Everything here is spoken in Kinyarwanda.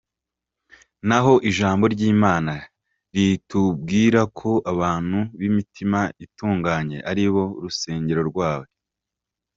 Naho Ijambo ry’Imana ritubwira ko abantu b’imitima itunganye ari bo rusengero rwayo.